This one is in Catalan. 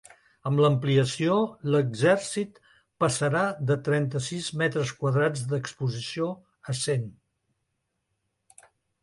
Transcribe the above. Amb l’ampliació, l’exèrcit passarà de trenta-sis metres quadrats d’exposició a cent.